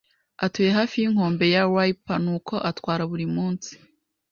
Atuye hafi yinkombe ya Wripple, nuko atwara buri munsi.